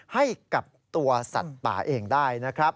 ให้กับตัวสัตว์ป่าเองได้นะครับ